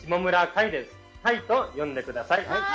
快と呼んでください。